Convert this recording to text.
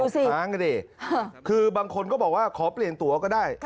ค้างกันดิคือบางคนก็บอกว่าขอเปลี่ยนตัวก็ได้